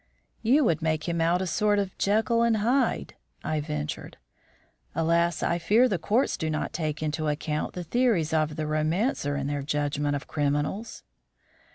"You would make him out a sort of Jekyll and Hyde," I ventured. "Alas! I fear the courts do not take into account the theories of the romancer in their judgment of criminals."